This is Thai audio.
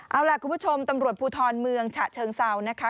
เอาล่ะคุณผู้ชมตำรวจภูทรเมืองฉะเชิงเซานะคะ